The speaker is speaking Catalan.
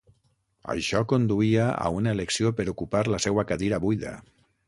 Això conduïa a una elecció per ocupar la seua cadira buida.